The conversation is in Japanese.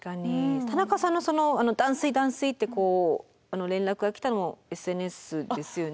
田中さんの「断水断水」って連絡が来たのもＳＮＳですよね。